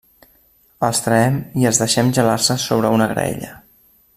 Els traem i els deixem gelar-se sobre una graella.